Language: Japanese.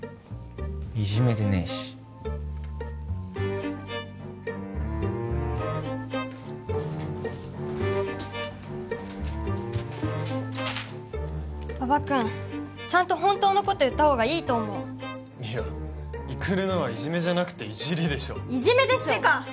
いじめてねえし馬場君ちゃんと本当のこと言った方がいいと思ういや育のはいじめじゃなくていじりでしょいじめでしょ！ってか！